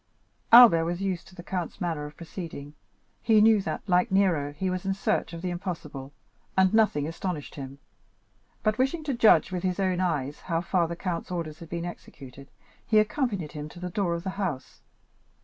Albert was used to the count's manner of proceeding; he knew that, like Nero, he was in search of the impossible, and nothing astonished him, but wishing to judge with his own eyes how far the count's orders had been executed, he accompanied him to the door of the house.